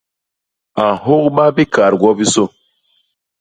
A nhôgba bikaat gwobisô.